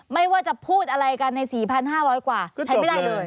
ไม่ว่าจะพูดอะไรกันใน๔๕๐๐กว่าใช้ไม่ได้เลย